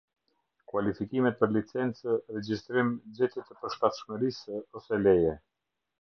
Kualifikimet për licencë, regjistrim, gjetje të përshtatshmërisë ose leje.